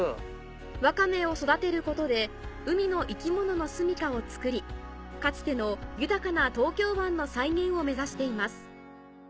ワカメを育てることで海の生き物のすみかをつくりかつての豊かな東京湾の再現を目指しています